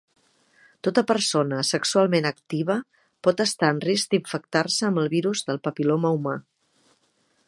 Tota persona sexualment activa pot estar en risc d'infectar-se amb el virus del papil·loma humà.